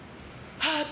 ハート！